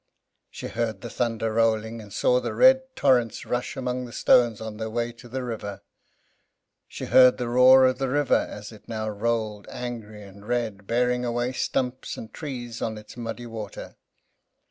She heard the thunder rolling, and saw the red torrents rush among the stones on their way to the river. She heard the roar of the river as it now rolled, angry and red, bearing away stumps and trees on its muddy water.